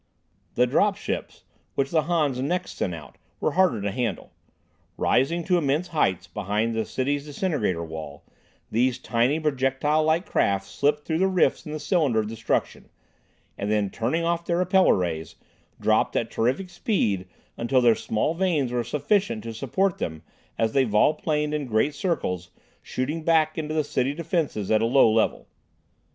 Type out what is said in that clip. The "drop ships," which the Hans next sent out, were harder to handle. Rising to immense heights behind the city's disintegrator wall, these tiny, projectile like craft slipped through the rifts in the cylinder of destruction, and then turning off their repeller rays, dropped at terrific speed until their small vanes were sufficient to support them as they volplaned in great circles, shooting back into the city defenses at a lower level.